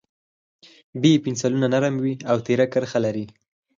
B پنسلونه نرم وي او تېره کرښه لري.